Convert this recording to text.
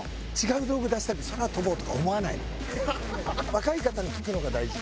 若い方に聞くのが大事で。